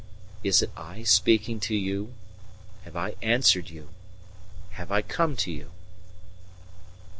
Is it I speaking to you have I answered you have I come to you?"